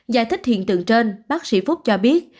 giải thích hiện tượng trên bác sĩ phúc cho biết